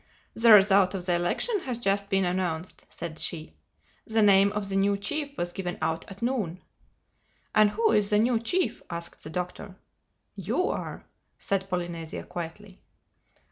"The result of the election has just been announced," said she. "The name of the new chief was given out at noon." "And who is the new chief?" asked the Doctor. "You are," said Polynesia quietly.